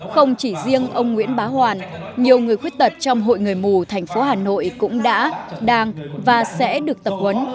không chỉ riêng ông nguyễn bá hoàn nhiều người khuyết tật trong hội người mù thành phố hà nội cũng đã đang và sẽ được tập huấn